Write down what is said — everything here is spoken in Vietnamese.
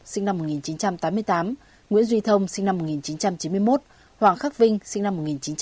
sinh năm một nghìn chín trăm tám mươi tám nguyễn duy thông sinh năm một nghìn chín trăm chín mươi một hoàng khắc vinh sinh năm một nghìn chín trăm tám mươi